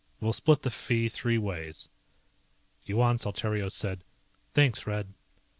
We'll split the fee three ways." Yuan Saltario said, "Thanks, Red."